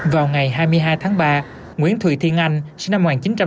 vào ngày hai mươi hai tháng ba nguyễn thùy thiên anh sinh năm một nghìn chín trăm tám mươi